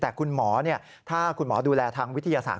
แต่คุณหมอถ้าคุณหมอดูแลทางวิทยาศาส